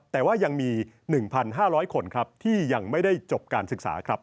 แต่ว่ายังมี๑๕๐๐คนครับที่ยังไม่ได้จบการศึกษาครับ